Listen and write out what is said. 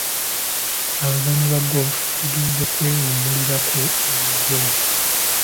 Abazannyi ba ggoofu baagenze kwewummulirako mu Rwenzori.